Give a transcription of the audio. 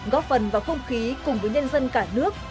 góp phần vào không khí cùng với nhân dân cả nước